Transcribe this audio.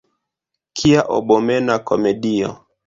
Kia abomena komedio!